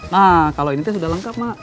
nah kalau ini teh sudah lengkap mak